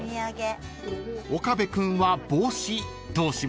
［岡部君は帽子どうしますか？］